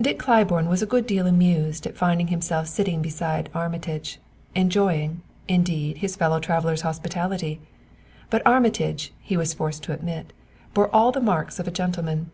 Dick Claiborne was a good deal amused at finding himself sitting beside Armitage, enjoying, indeed, his fellow traveler's hospitality; but Armitage, he was forced to admit, bore all the marks of a gentleman.